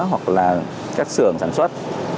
hoặc là các xưởng sản xuất